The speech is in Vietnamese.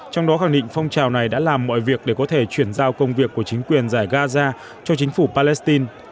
trong đó khẳng định phong trào này đã làm mọi việc để có thể chuyển giao công việc của chính quyền giải gaza cho chính phủ palestine